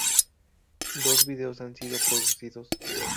Dos videos han sido producidos.